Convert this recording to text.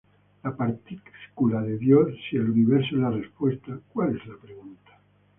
La partícula de Dios: si el universo es la respuesta, ¿cuál es la pregunta?